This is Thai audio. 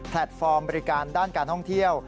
ฟอร์มบริการด้านการท่องเที่ยว